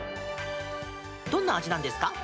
どんな味なんですか？